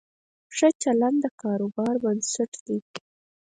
ښه چلند د کاروبار بنسټ دی.